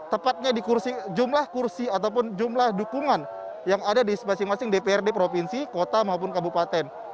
tepatnya di jumlah kursi ataupun jumlah dukungan yang ada di masing masing dprd provinsi kota maupun kabupaten